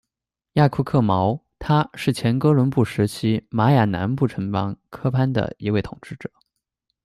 亚克库毛，他是前哥伦布时期玛雅南部城邦科潘的一位统治者。